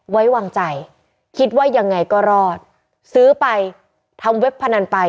ไว้วางใจคิดว่ายังไงก็รอดซื้อไปทำเว็บพนันไป